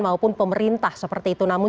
maupun pemerintah seperti itu namun